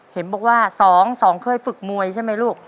เห็นบอกว่า๒๒เคยฝึกมวยใช่ไหมลูก